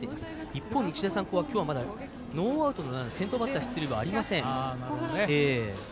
一方、日大三高は今日はまだノーアウトのランナー先頭バッターの出塁はありません。